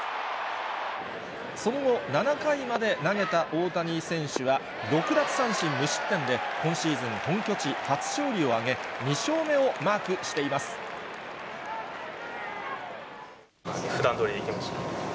その後、７回まで投げた大谷選手は、６奪三振無失点で、今シーズン本拠地初勝利を挙げ、２勝目をマークしています。ふだんどおりにできました。